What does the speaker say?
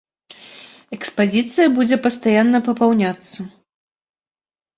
Экспазіцыя будзе пастаянна папаўняцца.